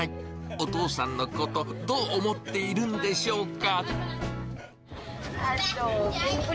お父さんのこと、どう思っているんでしょうか。